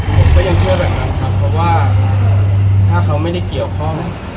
ผมก็ยังเชื่อแบบนั้นครับเพราะว่าถ้าเขาไม่ได้เกี่ยวข้อง